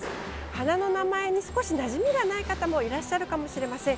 花の名前に少しなじみがない方もいらっしゃるかもしれません。